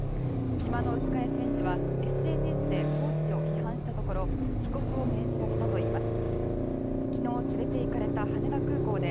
チマノウスカヤ選手はＳＮＳでコーチを批判したところ帰国を命じられたといいます。